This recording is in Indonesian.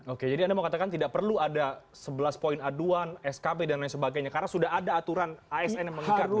oke jadi anda mau katakan tidak perlu ada sebelas poin aduan skb dan lain sebagainya karena sudah ada aturan asn yang mengikat